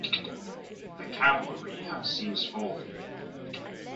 The Cavalry have since folded.